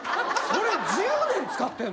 それ１０年使ってんの？